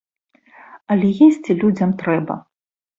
Але есці людзям трэба.